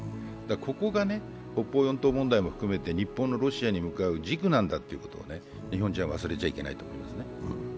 ここが北方四島問題も含めて日本のロシアに向かう軸なんだということを日本人は忘れてはいけないですね。